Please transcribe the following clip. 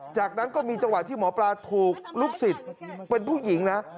จากนั้นก็มีจังหวะที่หมอปลาถูกลูกศิษย์เป็นผู้หญิงนะ